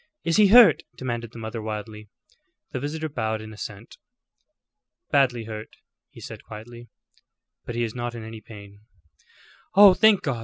"Is he hurt?" demanded the mother, wildly. The visitor bowed in assent. "Badly hurt," he said, quietly, "but he is not in any pain." "Oh, thank God!"